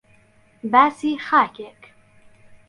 باسی خاکێک